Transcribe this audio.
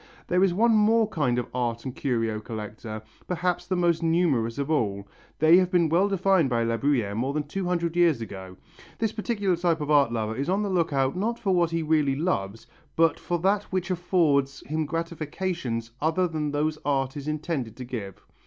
There is one more kind of art and curio collector, perhaps the most numerous of all. They have been well defined by La Bruyère more than two hundred years ago. This particular type of art lover is on the look out not for what he really loves but for that which affords him gratifications other than those art is intended to give.